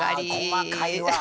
細かいわ。